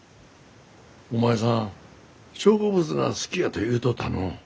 お前さん植物が好きやと言うとったのう。